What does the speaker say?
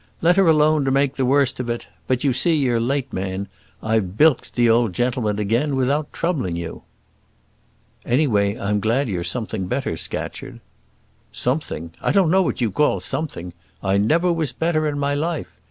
Let her alone to make the worst of it. But, you see, you're too late, man. I've bilked the old gentleman again without troubling you." "Anyway, I'm glad you're something better, Scatcherd." "Something! I don't know what you call something. I never was better in my life.